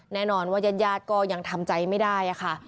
แน่นอนว่ายาดก็ยังทำใจไม่ได้ค่ะ